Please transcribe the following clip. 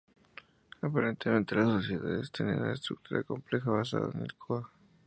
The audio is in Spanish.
Aparentemente, las sociedades tenían una estructura compleja, basada en el qa?